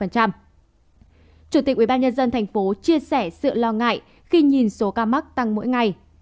chủ tịch ubnd tp chia sẻ sự lo ngại khi nhìn số ca mắc tăng mỗi ngày